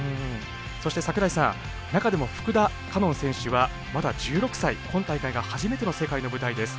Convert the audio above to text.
そして櫻井さん中でも福田果音選手はまだ１６歳、今大会が初めての世界の舞台です。